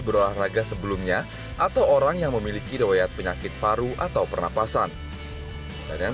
berolahraga sebelumnya atau orang yang memiliki rewayat penyakit paru atau pernapasan dan yang